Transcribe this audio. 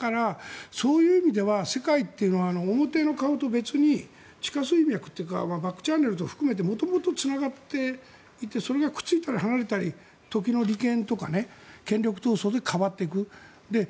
そういう意味では世界っていうのは奥底の顔と別に地下水脈とかとつながっていてそれがくっついたり離れたり時の利権とか権力闘争で変わっていく。